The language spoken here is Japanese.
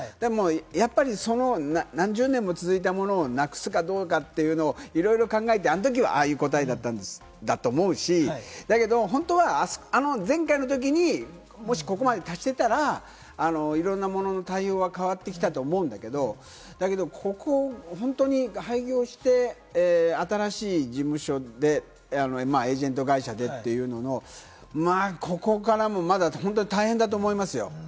やっぱり何十年も続いたものを無くすかどうかというのをいろいろ考えて、あのときはああいう答えだったと思うし、だけど本当は、あの前回のときにもしここまで達していたら、いろんなものの対応は変わってきたと思うんだけれども、だけど廃業して、新しい事務所でエージェント会社でというのも、ここからもまだ本当に大変だと思いますよ。